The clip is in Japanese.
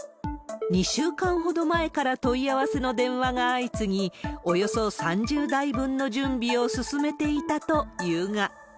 ２週間ほど前から問い合わせの電話が相次ぎ、およそ３０台分の準備を進めていたというが。